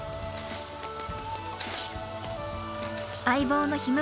相棒のひむ